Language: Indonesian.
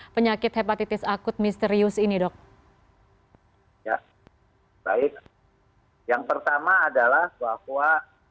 penyakit hepatitis akut misterius ini dok ya baik yang pertama adalah bahwa